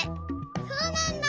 そうなんだ。